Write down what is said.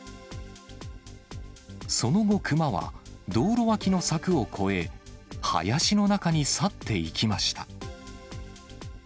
その後、熊は道路脇の柵を越え、林の中に去っていきました。